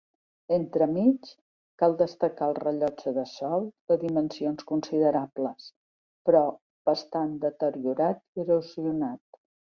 Entremig, cal destacar el rellotge de sol, de dimensions considerables, però bastant deteriorat i erosionat.